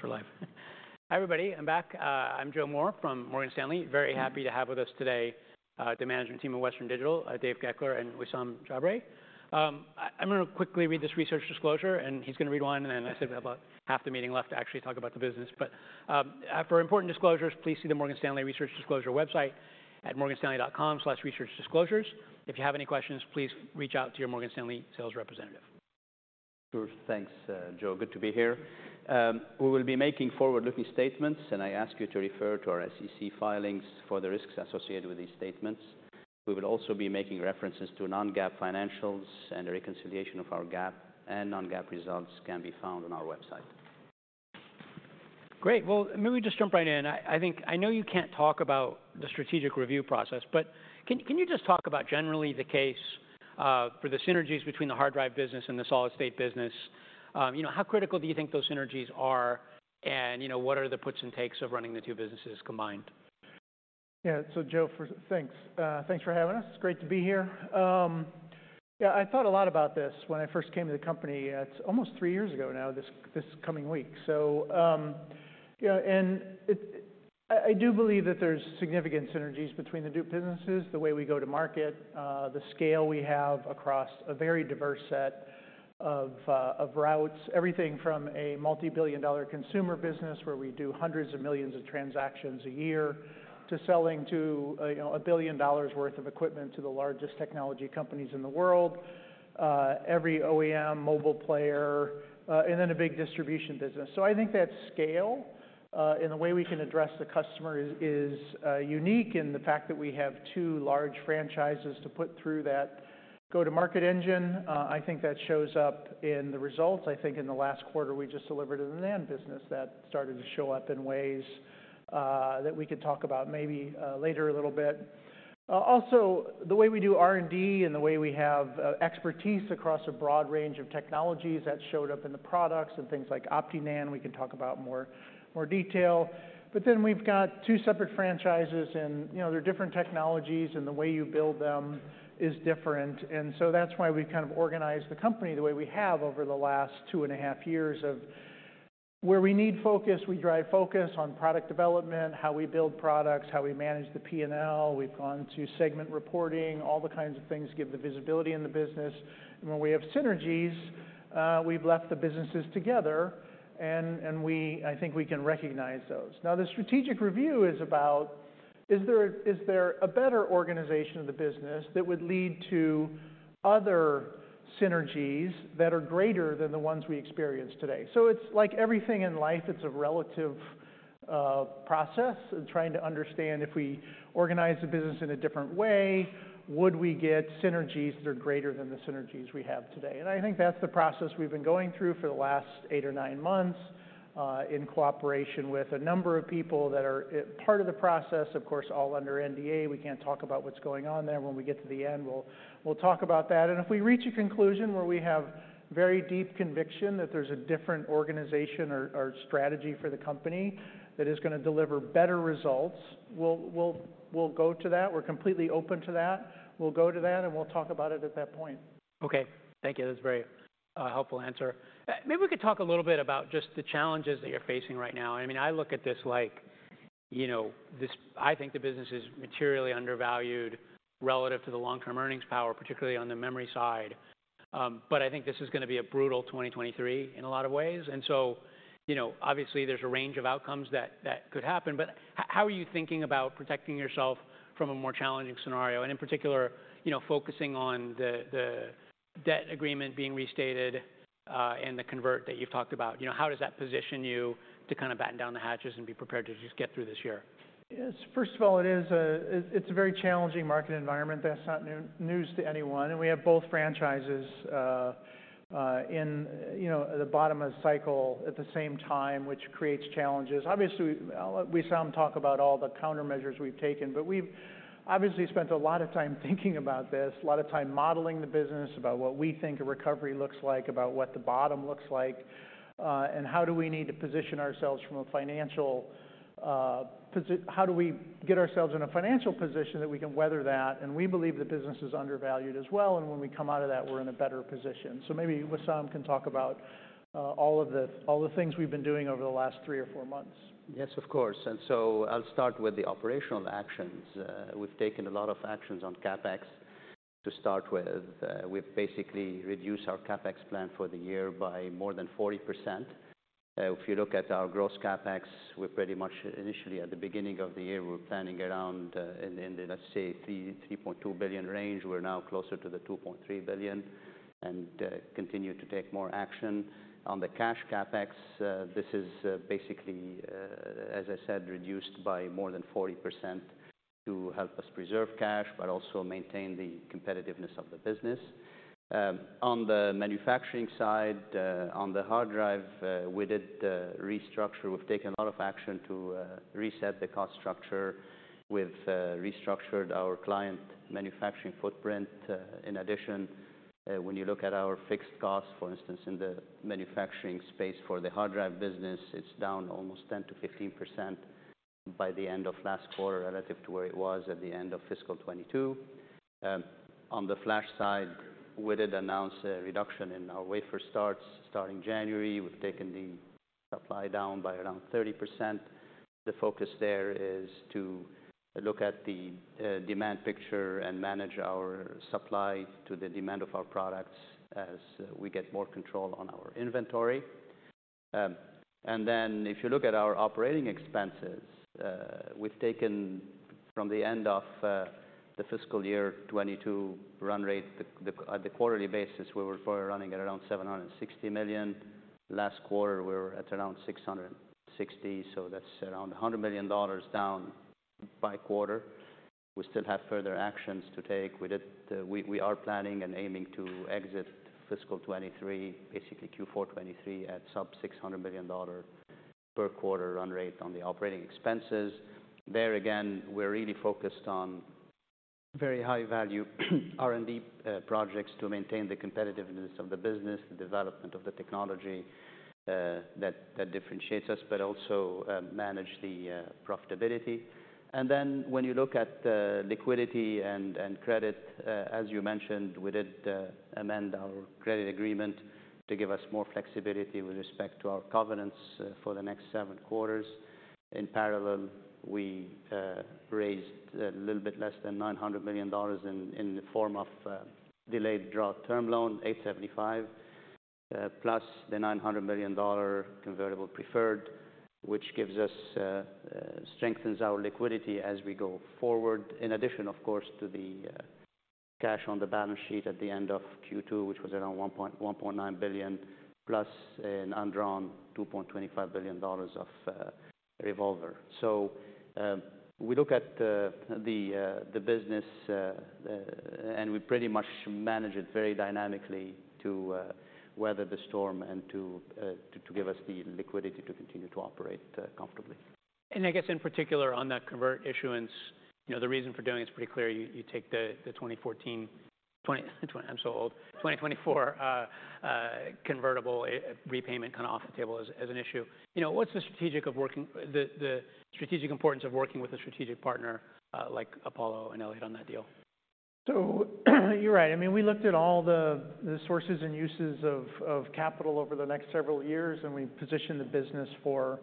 I think, I guess we're live. Hi, everybody. I'm back. I'm Joseph Moore from Morgan Stanley. Very happy to have with us today, the management team of Western Digital, David Goeckeler and Wissam Jabre. I'm gonna quickly read this research disclosure, and he's gonna read one, and then I said we have about half the meeting left to actually talk about the business. For important disclosures, please see the Morgan Stanley Research Disclosure website at morganstanley.com/researchdisclosures. If you have any questions, please reach out to your Morgan Stanley sales representative. Sure. Thanks, Joe. Good to be here. We will be making forward-looking statements. I ask you to refer to our SEC filings for the risks associated with these statements. We will also be making references to non-GAAP financials. A reconciliation of our GAAP and non-GAAP results can be found on our website. Great. Well, maybe we just jump right in. I think I know you can't talk about the strategic review process. Can you just talk about generally the case for the synergies between the hard drive business and the solid state business? You know, how critical do you think those synergies are? You know, what are the puts and takes of running the two businesses combined? Joe, first thanks. Thanks for having us. It's great to be here. Yeah, I thought a lot about this when I first came to the company. It's almost three years ago now, this coming week. you know, I do believe that there's significant synergies between the two businesses, the way we go to market, the scale we have across a very diverse set of routes. Everything from a multi-billion dollar consumer business where we do hundreds of millions of transactions a year, to selling to, you know, $1 billion worth of equipment to the largest technology companies in the world, every OEM mobile player, and then a big distribution business. I think that scale, and the way we can address the customer is unique in the fact that we have two large franchises to put through that go-to-market engine. I think that shows up in the results. I think in the last quarter, we just delivered in the NAND business that started to show up in ways that we could talk about maybe later a little bit. Also the way we do R&D and the way we have expertise across a broad range of technologies that showed up in the products and things like OptiNAND, we can talk about more detail. We've got two separate franchises and, you know, they're different technologies, and the way you build them is different. That's why we've kind of organized the company the way we have over the last 2 and a half years of where we need focus, we drive focus on product development, how we build products, how we manage the P&L. We've gone to segment reporting, all the kinds of things give the visibility in the business. When we have synergies, we've left the businesses together and I think we can recognize those. Now, the strategic review is about, is there a better organization of the business that would lead to other synergies that are greater than the ones we experience today? It's like everything in life, it's a relative process and trying to understand if we organize the business in a different way, would we get synergies that are greater than the synergies we have today? I think that's the process we've been going through for the last 8 or 9 months, in cooperation with a number of people that are part of the process. Of course, all under NDA, we can't talk about what's going on there. When we get to the end, we'll talk about that. If we reach a conclusion where we have very deep conviction that there's a different organization or strategy for the company that is gonna deliver better results, we'll go to that. We're completely open to that. We'll go to that, and we'll talk about it at that point. Okay. Thank you. That's a very helpful answer. Maybe we could talk a little bit about just the challenges that you're facing right now. I mean, I look at this like, you know, I think the business is materially undervalued relative to the long-term earnings power, particularly on the memory side. I think this is gonna be a brutal 2023 in a lot of ways. You know, obviously there's a range of outcomes that could happen, but how are you thinking about protecting yourself from a more challenging scenario? In particular, you know, focusing on the debt agreement being restated and the convert that you've talked about. You know, how does that position you to kind of batten down the hatches and be prepared to just get through this year? Yes. First of all, it's a very challenging market environment. That's not new-news to anyone. We have both franchises, in, you know, at the bottom of the cycle at the same time, which creates challenges. Obviously, I'll let Wissam talk about all the countermeasures we've taken, but we've obviously spent a lot of time thinking about this, a lot of time modeling the business, about what we think a recovery looks like, about what the bottom looks like, and how do we need to position ourselves from a financial position that we can weather that? We believe the business is undervalued as well, and when we come out of that, we're in a better position. Maybe Wissam can talk about all the things we've been doing over the last three or four months. Yes, of course. I'll start with the operational actions. We've taken a lot of actions on CapEx to start with. We've basically reduced our CapEx plan for the year by more than 40%. If you look at our gross CapEx, we're pretty much initially at the beginning of the year, we were planning around $3.2 billion range. We're now closer to the $2.3 billion and continue to take more action. On the cash CapEx, this is basically, as I said, reduced by more than 40% to help us preserve cash, but also maintain the competitiveness of the business. On the manufacturing side, on the hard drive, we did a restructure. We've taken a lot of action to reset the cost structure. We've restructured our client manufacturing footprint. In addition, when you look at our fixed costs, for instance, in the manufacturing space for the hard drive business, it's down almost 10%-15%. By the end of last quarter relative to where it was at the end of fiscal 22. On the flash side, we did announce a reduction in our wafer starts, starting January. We've taken the supply down by around 30%. The focus there is to look at the demand picture and manage our supply to the demand of our products as we get more control on our inventory. If you look at our operating expenses, we've taken from the end of the fiscal year 22 run rate. At the quarterly basis, we were probably running at around $760 million. Last quarter, we were at around 660, so that's around $100 million down by quarter. We still have further actions to take. We are planning and aiming to exit fiscal 23, basically Q4 23 at sub $600 million per quarter run rate on the operating expenses. There again, we're really focused on very high value R&D projects to maintain the competitiveness of the business, the development of the technology that differentiates us, but also manage the profitability. When you look at liquidity and credit, as you mentioned, we did amend our credit agreement to give us more flexibility with respect to our covenants for the next 7 quarters. In parallel, we raised a little bit less than $900 million in the form of delayed draw term loan, $875 plus the $900 million convertible preferred, which gives us strengthens our liquidity as we go forward. In addition, of course, to the cash on the balance sheet at the end of Q2, which was around $1.9 billion plus an undrawn $2.25 billion dollars of revolver. We look at the business and we pretty much manage it very dynamically to weather the storm and to give us the liquidity to continue to operate comfortably. I guess in particular on that convert issuance, you know, the reason for doing it is pretty clear. You take the 2014, 2024 convertible repayment kind of off the table as an issue. You know, what's the strategic importance of working with a strategic partner like Apollo and Elliott on that deal? You're right. I mean, we looked at all the sources and uses of capital over the next several years, and we positioned the business for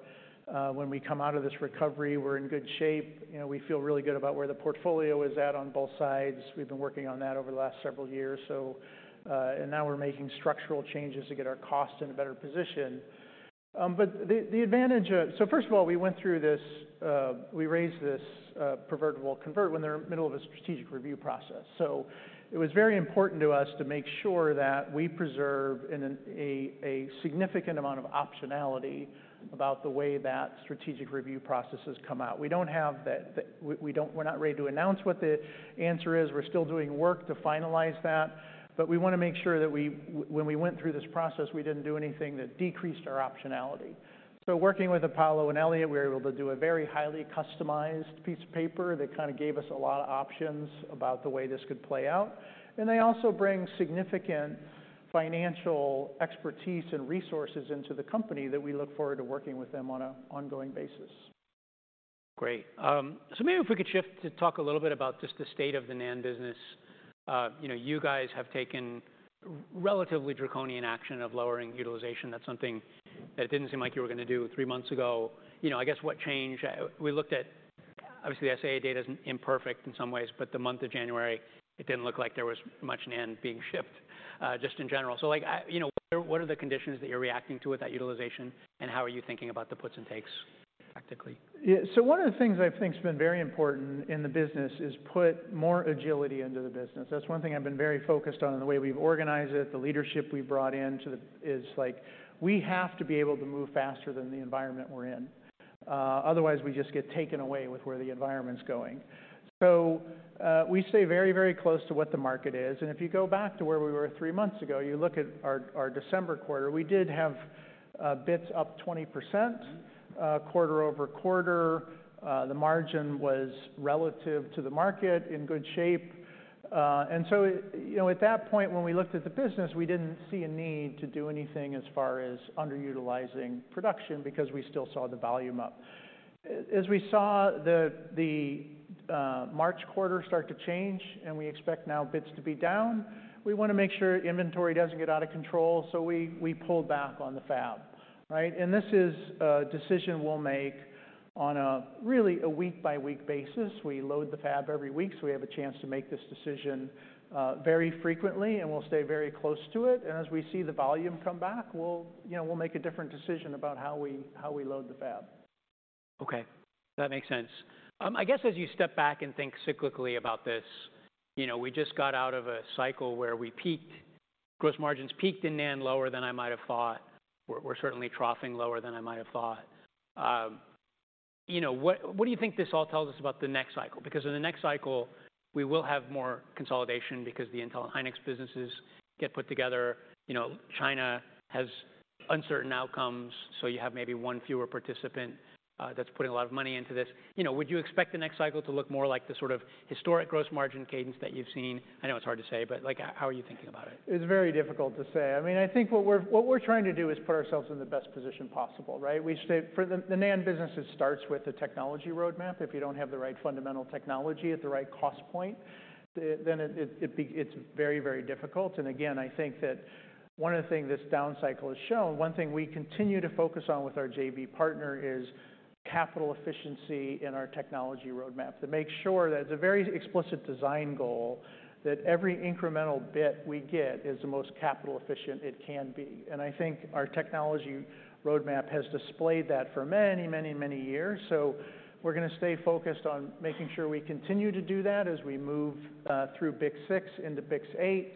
when we come out of this recovery, we're in good shape. You know, we feel really good about where the portfolio is at on both sides. We've been working on that over the last several years, and now we're making structural changes to get our cost in a better position. But the advantage of First of all, we went through this, we raised this convertible preferred when they're in the middle of a strategic review process. It was very important to us to make sure that we preserve a significant amount of optionality about the way that strategic review processes come out. We don't have the. We don't. We're not ready to announce what the answer is. We're still doing work to finalize that, but we wanna make sure that we when we went through this process, we didn't do anything that decreased our optionality. Working with Apollo and Elliott, we were able to do a very highly customized piece of paper that kind of gave us a lot of options about the way this could play out. They also bring significant financial expertise and resources into the company that we look forward to working with them on a ongoing basis. Great. Maybe if we could shift to talk a little bit about just the state of the NAND business. You know, you guys have taken relatively draconian action of lowering utilization. That's something that didn't seem like you were gonna do three months ago. You know, I guess what changed? We looked at obviously, the SAA data's imperfect in some ways, but the month of January, it didn't look like there was much NAND being shipped, just in general. Like, you know, what are the conditions that you're reacting to with that utilization, and how are you thinking about the puts and takes tactically? One of the things I think has been very important in the business is put more agility into the business. That's one thing I've been very focused on, the way we've organized it, the leadership we've brought in to the, like, we have to be able to move faster than the environment we're in. Otherwise, we just get taken away with where the environment's going. We stay very, very close to what the market is, and if you go back to where we were three months ago, you look at our December quarter, we did have bits up 20%, quarter-over-quarter. The margin was relative to the market in good shape. you know, at that point, when we looked at the business, we didn't see a need to do anything as far as underutilizing production, because we still saw the volume up. as we saw March quarter start to change, we expect now bits to be down, we wanna make sure inventory doesn't get out of control, so we pulled back on the fab, right? This is a decision we'll make on a really a week-by-week basis. We load the fab every week, so we have a chance to make this decision very frequently, and we'll stay very close to it. as we see the volume come back, we'll, you know, we'll make a different decision about how we, how we load the fab. Okay. That makes sense. I guess as you step back and think cyclically about this, you know, we just got out of a cycle where we peaked, gross margins peaked in NAND lower than I might have thought. We're certainly troughing lower than I might have thought. You know, what do you think this all tells us about the next cycle? Because in the next cycle, we will have more consolidation because the Intel and Hynix businesses get put together. You know, China has uncertain outcomes, so you have maybe one fewer participant that's putting a lot of money into this. You know, would you expect the next cycle to look more like the sort of historic gross margin cadence that you've seen? I know it's hard to say, but, like, how are you thinking about it? It's very difficult to say. I mean, I think what we're trying to do is put ourselves in the best position possible, right? For the NAND businesses, it starts with the technology roadmap. If you don't have the right fundamental technology at the right cost point, then it's very, very difficult. Again, I think that one of the things this down cycle has shown, one thing we continue to focus on with our JV partner is capital efficiency in our technology roadmap to make sure that it's a very explicit design goal that every incremental bit we get is the most capital efficient it can be. I think our technology roadmap has displayed that for many, many years. We're gonna stay focused on making sure we continue to do that as we move through BiCS6 into BiCS8.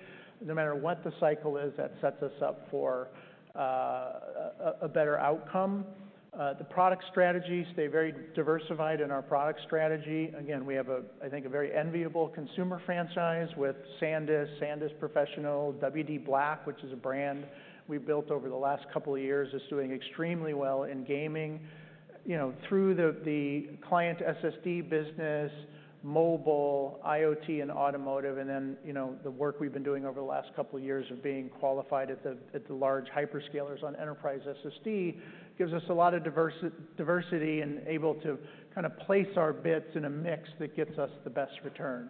No matter what the cycle is, that sets us up for a better outcome. The product strategy stay very diversified in our product strategy. Again, we have a, I think, a very enviable consumer franchise with SanDisk Professional, WD_BLACK, which is a brand we built over the last couple of years, is doing extremely well in gaming. You know, through the client SSD business, mobile, IoT, and automotive, and then, you know, the work we've been doing over the last couple of years of being qualified at the, at the large hyperscalers on enterprise SSD, gives us a lot of diversity and able to kinda place our bits in a mix that gets us the best return.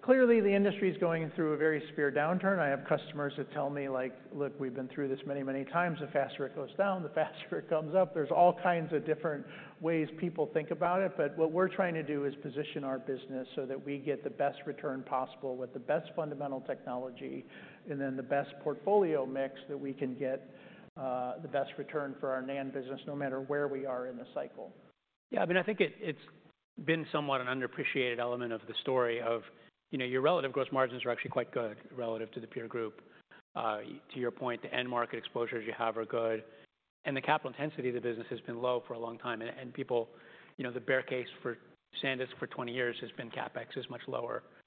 Clearly, the industry is going through a very severe downturn. I have customers that tell me, like, "Look, we've been through this many, many times. The faster it goes down, the faster it comes up." There's all kinds of different ways people think about it. What we're trying to do is position our business so that we get the best return possible with the best fundamental technology and then the best portfolio mix that we can get, the best return for our NAND business, no matter where we are in the cycle. I think it's been somewhat an underappreciated element of the story of, you know, your relative gross margins are actually quite good relative to the peer group. To your point, the end market exposures you have are good, and the capital intensity of the business has been low for a long time. And people, you know, the bear case for SanDisk for 20 years has been CapEx is much lower than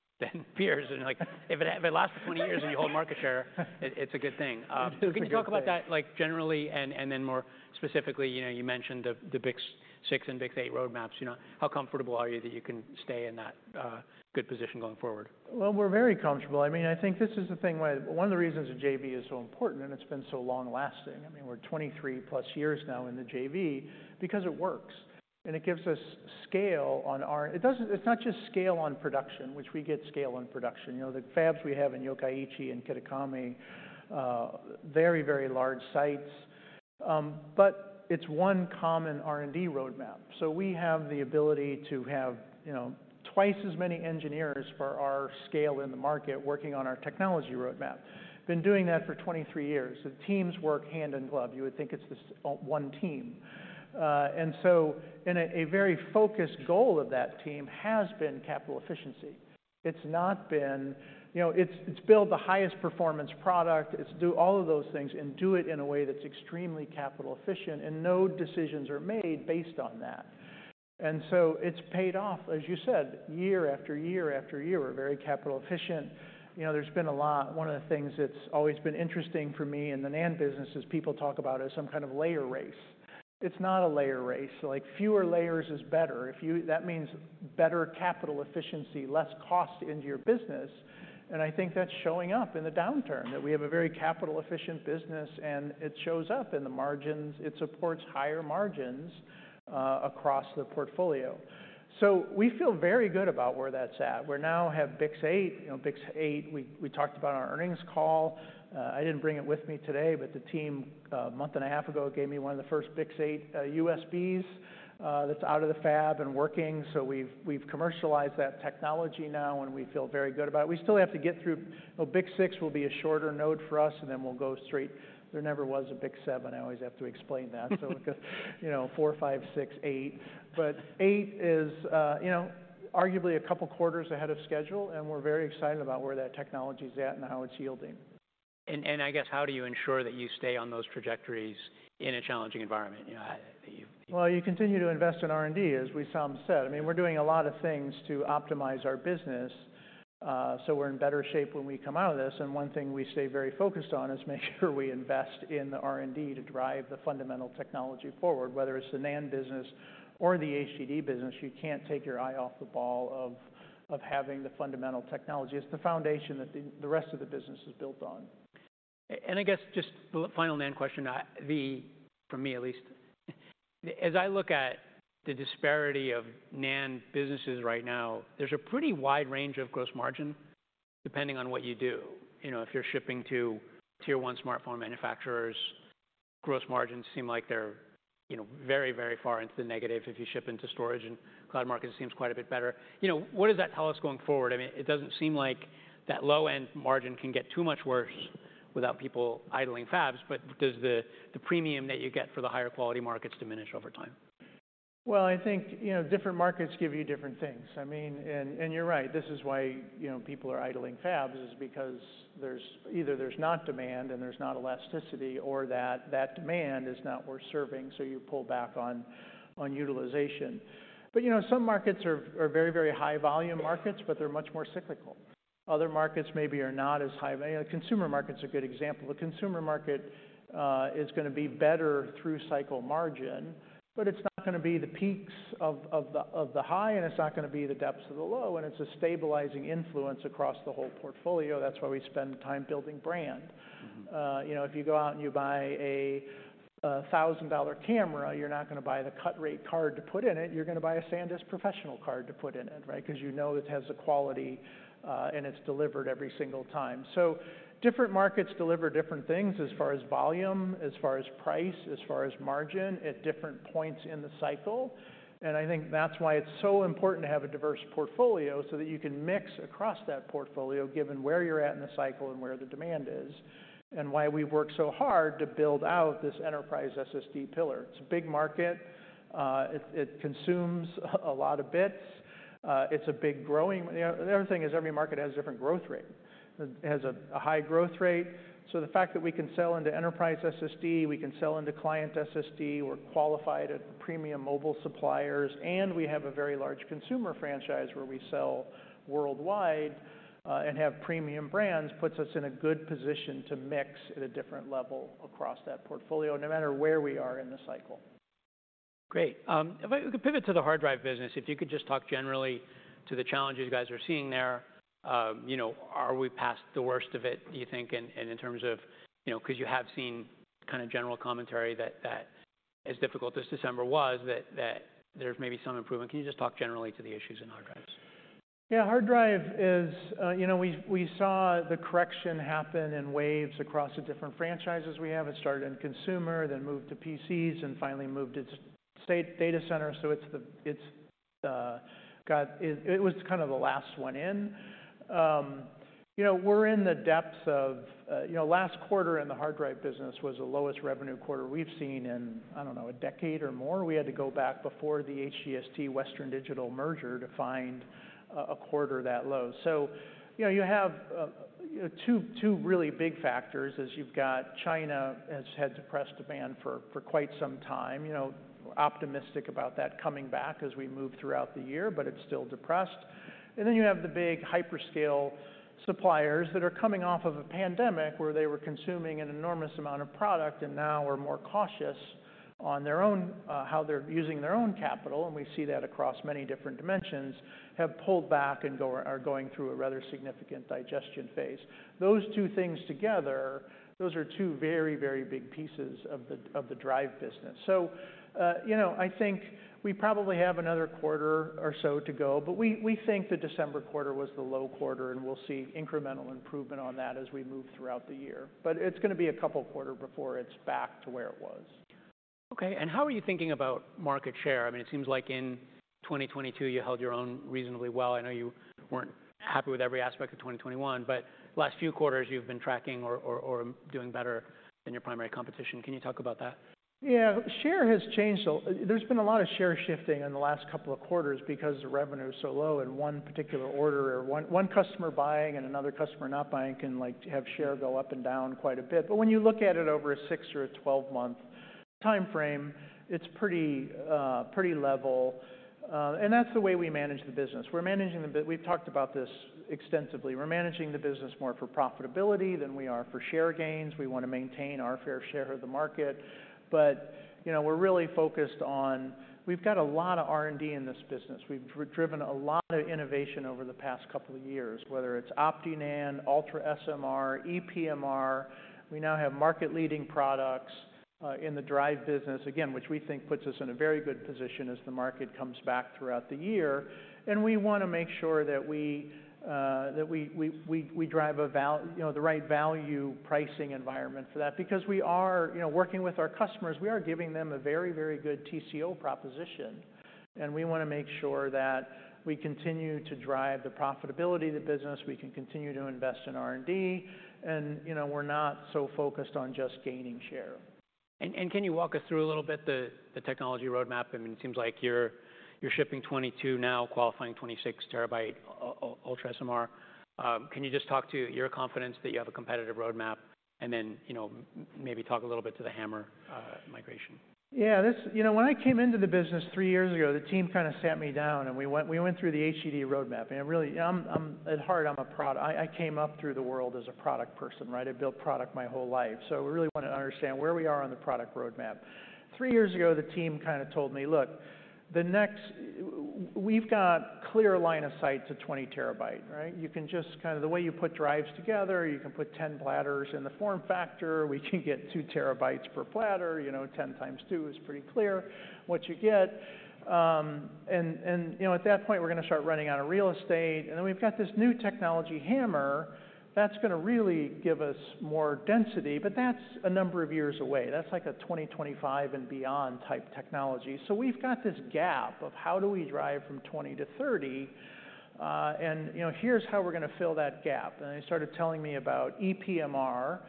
peers. Like, if it lasts for 20 years and you hold market share, it's a good thing. Can you talk about that, like, generally, and then more specifically, you know, you mentioned the BiCS6 and BiCS8 roadmaps. You know, how comfortable are you that you can stay in that good position going forward? Well, we're very comfortable. I mean, I think this is the thing. One of the reasons the JV is so important, and it's been so long-lasting, I mean, we're 23 plus years now in the JV because it works, and it gives us scale on our... It's not just scale on production, which we get scale on production. You know, the fabs we have in Yokkaichi and Kitakami, very, very large sites. It's one common R&D roadmap. We have the ability to have, you know, twice as many engineers for our scale in the market working on our technology roadmap. Been doing that for 23 years. The teams work hand in glove. You would think it's this one team. A very focused goal of that team has been capital efficiency. It's not been, you know, it's build the highest performance product. It's do all of those things and do it in a way that's extremely capital efficient, and no decisions are made based on that. It's paid off. As you said, year after year after year, we're very capital efficient. You know, there's been a lot. One of the things that's always been interesting for me in the NAND business is people talk about it as some kind of layer race. It's not a layer race. Like, fewer layers is better that means better capital efficiency, less cost into your business. I think that's showing up in the downturn, that we have a very capital-efficient business, and it shows up in the margins. It supports higher margins across the portfolio. We feel very good about where that's at. We now have BiCS8. You know, BiCS8, we talked about on our earnings call. I didn't bring it with me today, but the team a month and a half ago gave me one of the first BiCS8 USBs that's out of the fab and working. We've commercialized that technology now, and we feel very good about it. We still have to get through. Well, BiCS6 will be a shorter node for us, and then we'll go straight. There never was a BiCS7. I always have to explain that. You know, four, five, six, eight. Eight is, you know, arguably 2 quarters ahead of schedule, and we're very excited about where that technology's at and how it's yielding. I guess how do you ensure that you stay on those trajectories in a challenging environment? You know, Well, you continue to invest in R&D, as Wissam said. I mean, we're doing a lot of things to optimize our business, so we're in better shape when we come out of this. One thing we stay very focused on is making sure we invest in the R&D to drive the fundamental technology forward, whether it's the NAND business or the HDD business. You can't take your eye off the ball of having the fundamental technology. It's the foundation that the rest of the business is built on. I guess just the final NAND question, for me, at least. As I look at the disparity of NAND businesses right now, there's a pretty wide range of gross margin depending on what you do. You know, if you're shipping to tier one smartphone manufacturers, gross margins seem like they're, you know, very, very far into the negative. If you ship into storage and cloud markets, it seems quite a bit better. You know, what does that tell us going forward? I mean, it doesn't seem like that low-end margin can get too much worse without people idling fabs, but does the premium that you get for the higher quality markets diminish over time? Well, I think, you know, different markets give you different things. I mean, you're right. This is why, you know, people are idling fabs, is because either there's not demand and there's not elasticity or that demand is not worth serving, so you pull back on utilization. You know, some markets are very, very high volume markets, but they're much more cyclical. Other markets maybe are not as high. Consumer market's a good example. The consumer market is gonna be better through cycle margin, but it's not gonna be the peaks of the high, and it's not gonna be the depths of the low, and it's a stabilizing influence across the whole portfolio. That's why we spend time building brand. Mm-hmm. You know, if you go out and you buy a $1,000 camera, you're not gonna buy the cut-rate card to put in it. You're gonna buy a SanDisk Professional card to put in it, right? 'Cause you know it has the quality, and it's delivered every single time. Different markets deliver different things as far as volume, as far as price, as far as margin at different points in the cycle. I think that's why it's so important to have a diverse portfolio, so that you can mix across that portfolio given where you're at in the cycle and where the demand is, and why we work so hard to build out this enterprise SSD pillar. It's a big market. It consumes a lot of bits. It's a big growing... You know, the other thing is every market has a different growth rate. It has a high growth rate. The fact that we can sell into enterprise SSD, we can sell into client SSD, we're qualified at premium mobile suppliers, and we have a very large consumer franchise where we sell worldwide, and have premium brands, puts us in a good position to mix at a different level across that portfolio, no matter where we are in the cycle. Great. If I could pivot to the hard drive business, if you could just talk generally to the challenges you guys are seeing there. You know, are we past the worst of it, do you think? In terms of, you know, 'cause you have seen kind of general commentary that as difficult as December was, that there's maybe some improvement. Can you just talk generally to the issues in hard drives? Hard drive is, you know, we saw the correction happen in waves across the different franchises we have. It started in consumer, then moved to PCs, and finally moved to data center, it was kind of the last one in. You know, we're in the depths of, you know, last quarter in the hard drive business was the lowest revenue quarter we've seen in, I don't know, 10 years or more. We had to go back before the HGST Western Digital merger to find a quarter that low. You know, you have 2 really big factors, is you've got China has had suppressed demand for quite some time. You know, optimistic about that coming back as we move throughout the year, it's still depressed. You have the big hyperscale suppliers that are coming off of a pandemic where they were consuming an enormous amount of product and now are more cautious on their own, how they're using their own capital, and we see that across many different dimensions, have pulled back and are going through a rather significant digestion phase. Those two things together, those are two very, very big pieces of the, of the drive business. You know, I think we probably have another quarter or so to go, but we think the December quarter was the low quarter, and we'll see incremental improvement on that as we move throughout the year. It's gonna be a couple quarter before it's back to where it was. Okay. How are you thinking about market share? I mean, it seems like in 2022 you held your own reasonably well. I know you weren't happy with every aspect of 2021, but last few quarters you've been tracking or doing better than your primary competition. Can you talk about that? Share has changed. There's been a lot of share shifting in the last couple of quarters because the revenue is so low in 1 particular order or 1 customer buying and another customer not buying can, like, have share go up and down quite a bit. When you look at it over a 6 or a 12-month timeframe, it's pretty level. That's the way we manage the business. We've talked about this extensively. We're managing the business more for profitability than we are for share gains. We wanna maintain our fair share of the market. You know, we're really focused on... We've got a lot of R&D in this business. We've driven a lot of innovation over the past couple of years, whether it's OptiNAND, UltraSMR, EPMR. We now have market-leading products in the drive business, again, which we think puts us in a very good position as the market comes back throughout the year. We wanna make sure that we drive you know, the right value pricing environment for that. We are, you know, working with our customers, we are giving them a very, very good TCO proposition, and we wanna make sure that we continue to drive the profitability of the business, we can continue to invest in R&D, and, you know, we're not so focused on just gaining share. Can you walk us through a little bit the technology roadmap? I mean, it seems like you're shipping 22 TB now, qualifying 26 TB UltraSMR. Can you just talk to your confidence that you have a competitive roadmap? You know, maybe talk a little bit to the HAMR migration. Yeah. You know, when I came into the business 3 years ago, the team kind of sat me down and we went through the HD roadmap. Really, I'm At heart, I came up through the world as a product person, right? I've built product my whole life, really wanna understand where we are on the product roadmap. 3 years ago, the team kinda told me, "Look, the next... We've got clear line of sight to 20 terabyte, right? You can just The way you put drives together, you can put 10 platters in the form factor. We can get 2 terabytes per platter, you know, 10 times 2 is pretty clear what you get. You know, at that point, we're gonna start running out of real estate. We've got this new technology, HAMR, that's gonna really give us more density, but that's a number of years away. That's like a 2025 and beyond type technology. We've got this gap of how do we drive from 20 to 30, and, you know, here's how we're gonna fill that gap. They started telling me about EPMR.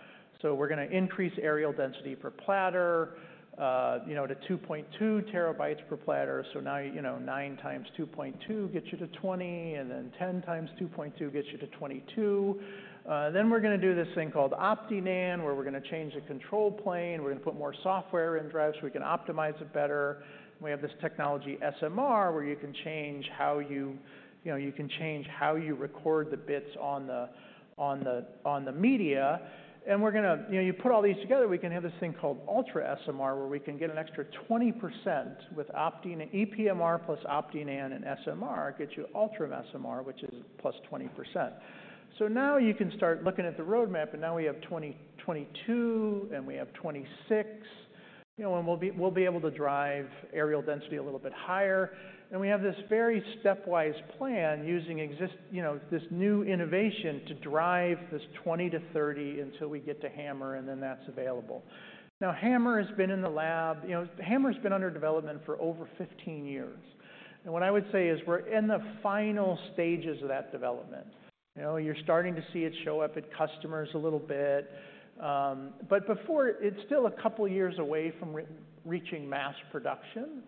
We're gonna increase aerial density per platter, you know, to 2.2 TB per platter. Now, you know, 9 times 2.2 gets you to 20, and then 10 times 2.2 gets you to 22. We're gonna do this thing called OptiNAND, where we're gonna change the control plane, we're gonna put more software in drives so we can optimize it better. We have this technology SMR, where you can change how you know, you can change how you record the bits on the media. You know, you put all these together, we can have this thing called UltraSMR, where we can get an extra 20% with EPMR plus OptiNAND and SMR gets you UltraSMR, which is +20%. Now you can start looking at the roadmap, and now we have 2022, and we have 2026. You know, we'll be able to drive aerial density a little bit higher. We have this very stepwise plan using you know, this new innovation to drive this 20%-30% until we get to HAMR, and then that's available. HAMR has been in the lab. You know, HAMR's been under development for over 15 years. What I would say is we're in the final stages of that development. You know, you're starting to see it show up at customers a little bit, but before it's still a couple years away from re-reaching mass production.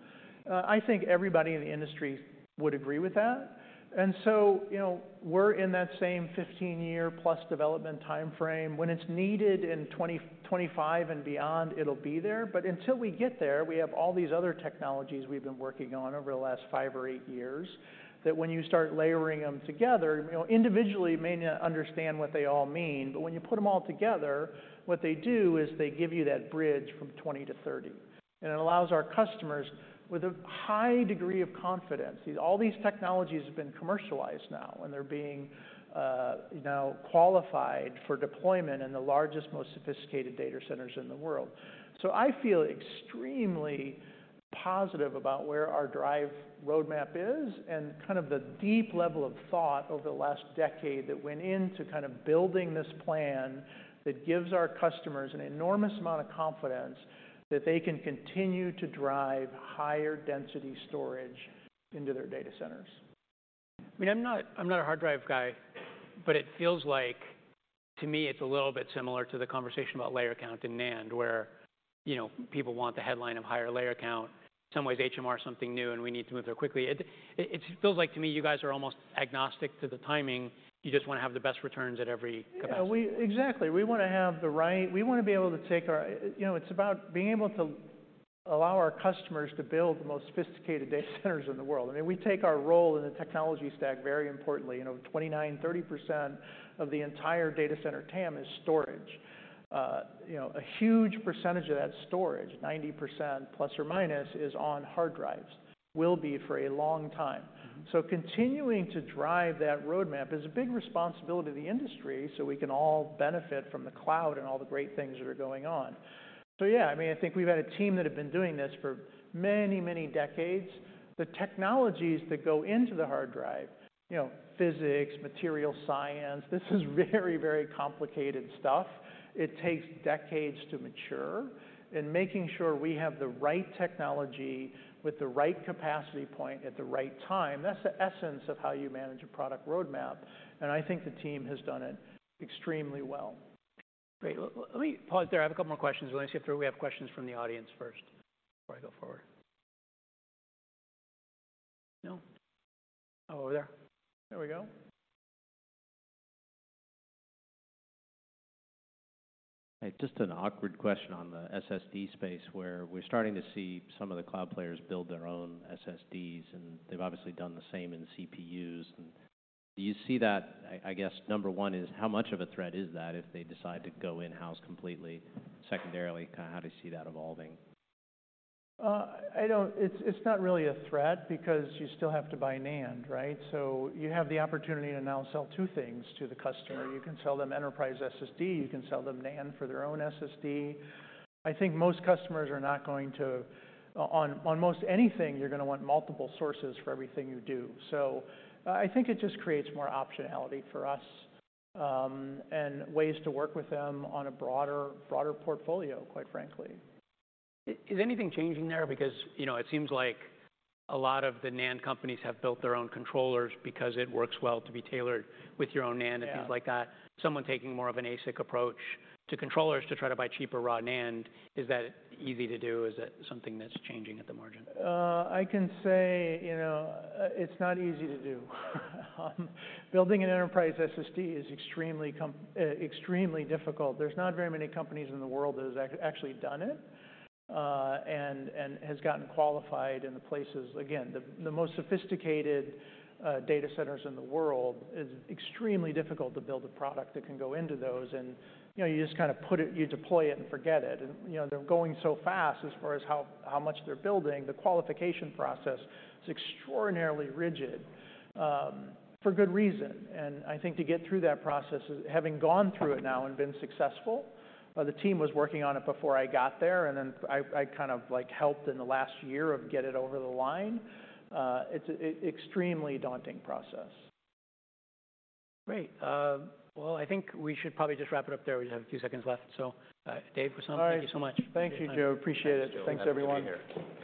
I think everybody in the industry would agree with that. You know, we're in that same 15-year-plus development timeframe. When it's needed in 2025 and beyond, it'll be there. Until we get there, we have all these other technologies we've been working on over the last five or eight years that when you start layering them together, you know, individually, you may not understand what they all mean, but when you put them all together, what they do is they give you that bridge from 20 to 30. It allows our customers with a high degree of confidence, 'cause all these technologies have been commercialized now, and they're being now qualified for deployment in the largest, most sophisticated data centers in the world. I feel extremely positive about where our drive roadmap is and kind of the deep level of thought over the last decade that went into kind of building this plan that gives our customers an enormous amount of confidence that they can continue to drive higher density storage into their data centers. I mean, I'm not a hard drive guy, it feels like, to me, it's a little bit similar to the conversation about layer count in NAND, where, you know, people want the headline of higher layer count. Some ways, HAMR is something new, we need to move there quickly. It feels like to me, you guys are almost agnostic to the timing. You just want to have the best returns at every capacity point. Yeah, exactly. We want to be able to allow our customers to build the most sophisticated data centers in the world. I mean, we take our role in the technology stack very importantly. You know, 29-30% of the entire data center TAM is storage. You know, a huge percentage of that storage, 90% ±, is on hard drives, will be for a long time. Mm-hmm. Continuing to drive that roadmap is a big responsibility to the industry, so we can all benefit from the cloud and all the great things that are going on. Yeah, I mean, I think we've had a team that have been doing this for many, many decades. The technologies that go into the hard drive, you know, physics, material science, this is very, very complicated stuff. It takes decades to mature. Making sure we have the right technology with the right capacity point at the right time, that's the essence of how you manage a product roadmap, and I think the team has done it extremely well. Great. Let me pause there. I have a couple more questions. Let me see if we have questions from the audience first before I go forward. No? Oh, over there. There we go. Hey, just an awkward question on the SSD space, where we're starting to see some of the cloud players build their own SSDs, and they've obviously done the same in CPUs. Do you see that, I guess, number one, is how much of a threat is that if they decide to go in-house completely? Secondarily, how do you see that evolving? It's not really a threat because you still have to buy NAND, right? You have the opportunity to now sell two things to the customer. You can sell them enterprise SSD, you can sell them NAND for their own SSD. I think most customers are not going to. On most anything, you're gonna want multiple sources for everything you do. I think it just creates more optionality for us, and ways to work with them on a broader portfolio, quite frankly. Is anything changing there? Because, you know, it seems like a lot of the NAND companies have built their own controllers because it works well to be tailored with your own NAND and things like that. Yeah. Someone taking more of an ASIC approach to controllers to try to buy cheaper raw NAND, is that easy to do? Is that something that's changing at the margin? I can say, you know, it's not easy to do. Building an enterprise SSD is extremely difficult. There's not very many companies in the world that has actually done it and has gotten qualified in the places. Again, the most sophisticated data centers in the world, it's extremely difficult to build a product that can go into those. You know, you just kind of deploy it and forget it. They're going so fast as far as how much they're building, the qualification process is extraordinarily rigid for good reason. I think to get through that process, having gone through it now and been successful, the team was working on it before I got there, and then I kind of like helped in the last year of get it over the line. It's extremely daunting process. Great. Well, I think we should probably just wrap it up there. We have a few seconds left. Dave. All right. Thank you so much. Thank you, Joe. Appreciate it. Thanks, Joe. Thanks, everyone. Great having you here.